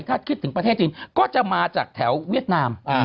ถ้าคิดถึงประเทศจีนก็จะมาจากแถวเวียดนาม